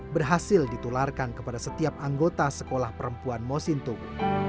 berhasil ditularkan kepada setiap anggota sekolah perempuan mosintung